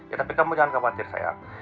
ya tapi kamu jangan khawatir saya